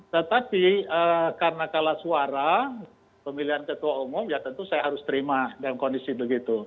tetapi karena kalah suara pemilihan ketua umum ya tentu saya harus terima dalam kondisi begitu